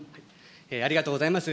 ありがとうございます。